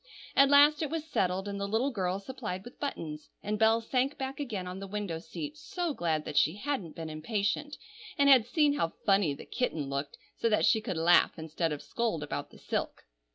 At last it was settled, and the little girl supplied with buttons, and Bell sank back again on the window seat, so glad that she hadn't been impatient, and had seen how funny the kitten looked, so that she could laugh instead of scold about the silk.